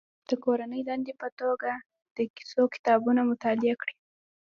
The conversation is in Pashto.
د کورنۍ دندې په توګه د کیسو کتابونه مطالعه کړي.